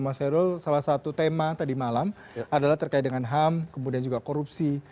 mas herul salah satu tema tadi malam adalah terkait dengan ham kemudian juga korupsi